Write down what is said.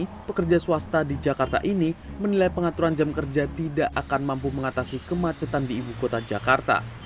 karena pekerja swasta di jakarta ini menilai pengaturan jam kerja tidak akan mampu mengatasi kemacetan di ibu kota jakarta